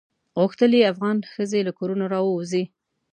غوښتل یې افغان ښځې له کورونو راووزي.